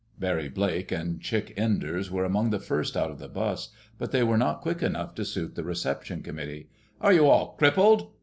Barry Blake and Chick Enders were among the first out of the bus, but they were not quick enough to suit the reception committee. "Are you all crippled?"